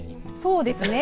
そうですね。